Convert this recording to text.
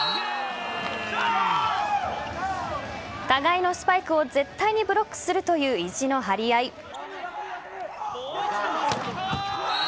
互いのスパイクを絶対にブロックするという意地の張り合い。